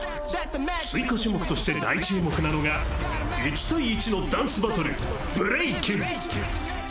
追加種目として大注目なのが、１対１のダンスバトル、ブレイキン。